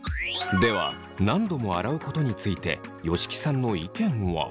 では何度も洗うことについて吉木さんの意見は。